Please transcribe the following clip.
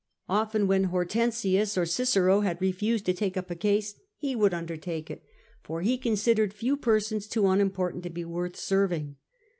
Often when Hortensius or Cicero had refused to take up a case, he would undertake it, for he considered few persons too unimportant to be worth serving.